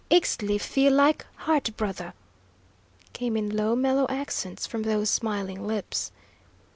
Ixtli feel like heart brother," came in low, mellow accents from those smiling lips.